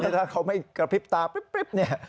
ถ้าเขาไม่กระพริบตาปริ๊บเนี่ย